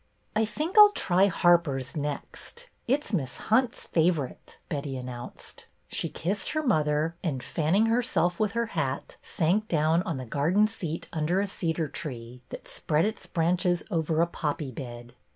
I think I 'll try Harper's next. It 's Miss Hunt's favorite," Betty announced. She kissed her mother and, fanning herself with her hat, sank down on the garden seat under a cedar tree that spread its branches over a poppy bed.